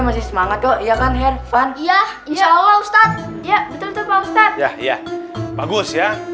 masih semangat kok iya kan hervan iya insya allah ustadz ya betul betul pak ustadz bagus ya